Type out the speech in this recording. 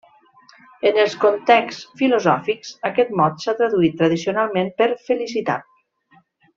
En els contexts filosòfics, aquest mot s'ha traduït tradicionalment per felicitat.